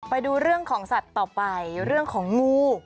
ไปดูเรื่องของสัตว์ต่อไปเรื่องของงู